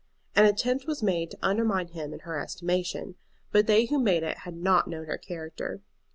An attempt was made to undermine him in her estimation; but they who made it had not known her character.